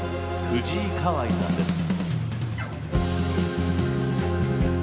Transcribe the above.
藤井香愛さんです。